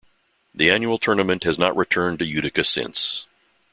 The annual tournament has not returned to Utica since.